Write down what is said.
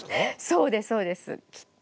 そうですそうですきっと。